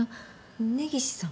根岸さん？